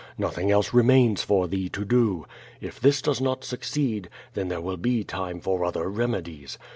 Nothing else remains for thee to do. If this does not suc ceed, then there will be time for other remedies.